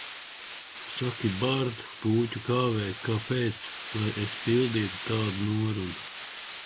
Saki, Bard, Pūķu Kāvēj, kāpēc lai es pildītu tādu norunu?